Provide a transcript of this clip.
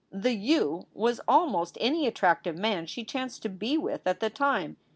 The "you" was almost any attractive man she chanced to be with at the time.